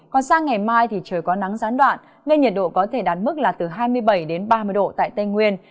còn sang ngày mai thì trời có nắng gián đoạn nên nhiệt độ có thể đạt mức là từ hai mươi bảy đến ba mươi độ tại tây nguyên